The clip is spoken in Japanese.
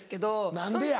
何でや。